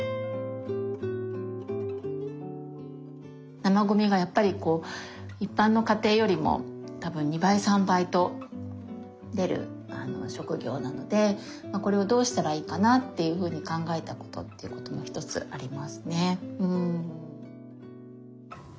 生ごみがやっぱりこう一般の家庭よりも多分２倍３倍と出る職業なのでこれをどうしたらいいかなっていうふうに考えたことっていうことも一つありますねうん。